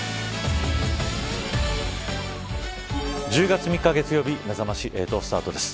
１０月３日月曜日めざまし８スタートです。